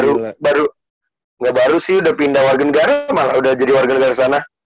dia udah baru ga baru sih udah pindah warga negara malah udah jadi warga negara kesana